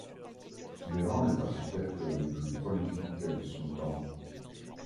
Il est l'un des architectes les plus prolifiques de son temps.